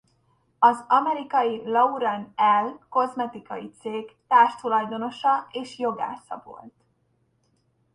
Az amerikai Lauren Elle kozmetikai cég társtulajdonosa és jogásza volt.